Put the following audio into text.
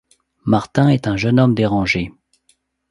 Martin est un jeune homme dérangé.